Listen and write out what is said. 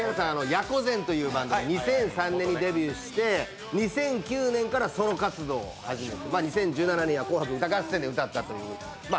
野狐禅というバンドで２００３年にデビューして２００９年からソロ活動を始めて２０１７年には「紅白歌合戦」で歌ったという。